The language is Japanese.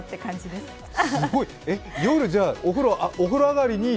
すごい、夜、お風呂上がりに？